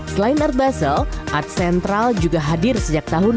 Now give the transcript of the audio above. selain art basel art central juga hadir sejak tahun dua ribu lima belas